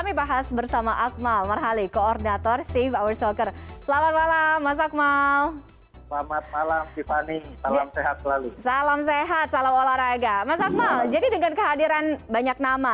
mas akmal jadi dengan kehadiran banyak nama